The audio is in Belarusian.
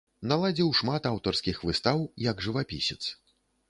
Наладзіў шмат аўтарскіх выстаў як жывапісец.